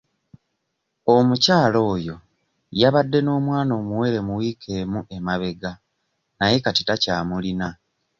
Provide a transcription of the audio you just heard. Omukyala oyo yabadde n'omwana omuwere mu wiiki emu emabega naye kati takyamulina